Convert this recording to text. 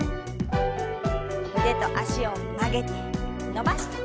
腕と脚を曲げて伸ばして。